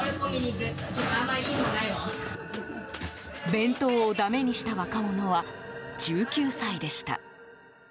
弁当をだめにした若者は１９歳でした。